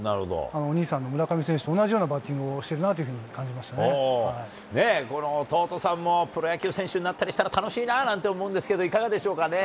お兄さんの村上選手と同じようなバッティングをしてるなというふこの弟さんも、プロ野球選手になったりしたら、楽しいななんて思うんですけど、いかがでしょうかね。